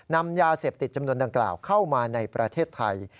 นำยาเสพติดจำนวนดังกล่าวเข้ามาในประเทศไทย